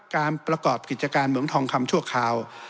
การประกอบกิจการเหมืองทองคำชั่วคราว